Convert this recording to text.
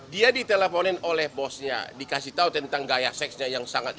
dia diteleponin oleh bosnya dikasih tahu tentang gaya seksnya yang sangat